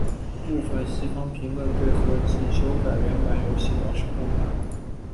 部分西方评论对合辑修改原版游戏表示不满。